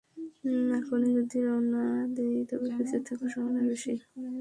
এখনই যদি রওনা দেই তবে বেঁচে ফেরার সম্ভাবনা বেশি!